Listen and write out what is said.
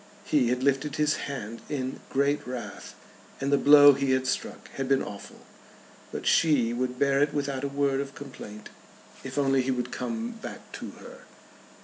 He had lifted his hand in great wrath, and the blow he had struck had been awful. But she would bear it without a word of complaint if only he would come back to her.